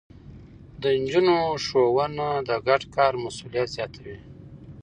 د نجونو ښوونه د ګډ کار مسووليت زياتوي.